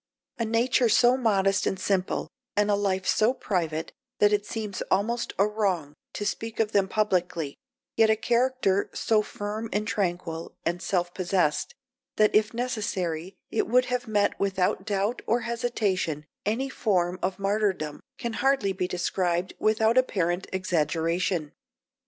A nature so modest and simple, and a life so private that it seems almost a wrong to speak of them publicly, yet a character so firm and tranquil and self possessed that if necessary it would have met without doubt or hesitation any form of martyrdom, can hardly be described without apparent exaggeration.